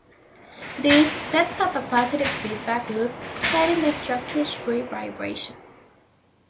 This sets up a positive feedback loop exciting the structure's free vibration.